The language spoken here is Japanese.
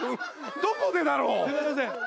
どこでだろう？